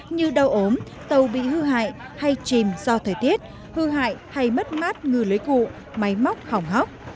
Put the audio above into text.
như đau ốm tàu bị hư hại hay chìm do thời tiết hư hại hay mất mát ngư lưới cụ máy móc hỏng hóc